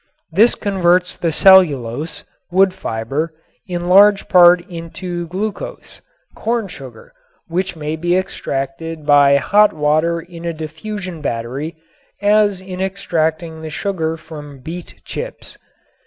This converts the cellulose (wood fiber) in large part into glucose ("corn sugar") which may be extracted by hot water in a diffusion battery as in extracting the sugar from beet chips.